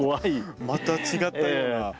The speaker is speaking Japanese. また違ったような。